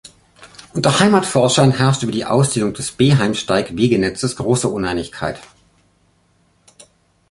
Unter Heimatforschern herrscht über die Ausdehnung des Beheimsteig-Wegenetzes große Uneinigkeit.